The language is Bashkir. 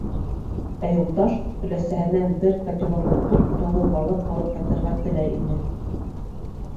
Ә Юлдаш өләсәһенә бер котелок туп-тулы балыҡ алып ҡайтырға теләй ине.